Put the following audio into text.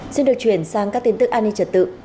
xin được chuyển sang các tin tức an ninh trật tự